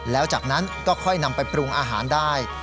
แล้วจากนั้นก็ค่อยนำไปปรุงอาหารได้